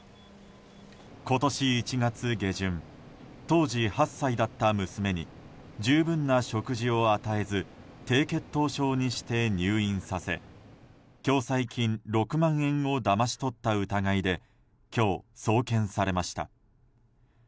今年１月下旬当時８歳だった娘に十分な食事を与えず低血糖症にして入院させ共済金６万円をだまし取った疑いで今日、送検されました。